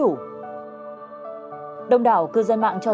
đông đảo cư dân mạng cho rằng câu chuyện nên dừng lại tại đây